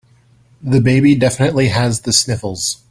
The baby definitely has the sniffles.